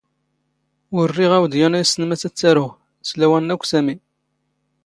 ⵓⵔ ⵔⵉⵖ ⴰⵡⴷ ⵢⴰⵏ ⴰⴷ ⵉⵙⵙⵏ ⵎⴰⵙ ⴰⵔ ⵜⵜⴰⵔⵓⵖ, ⵙ ⵍⴰⵡⴰⵏ ⴰⴽⴽⵯ ⵙⴰⵎⵉ.